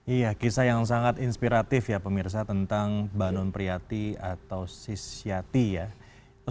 iya kisah yang sangat inspiratif ya pemirsa tentang bannon priyati atau sis siati ya